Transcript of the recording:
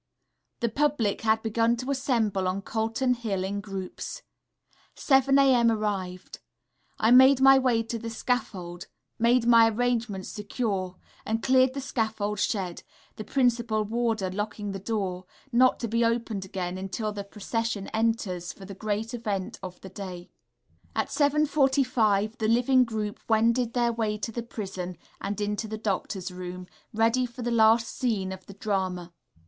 The public had begun to assemble on Calton Hill in groups. 7 0 a.m. arrived. I made my way to the scaffold, made my arrangements secure, and cleared the scaffold shed, the principal warder locking the door, not to be opened again until the procession enters for the great event of the day.... At 7 45 the living group wended their way to the prison, and into the doctor's room, ready for the last scene of the drama.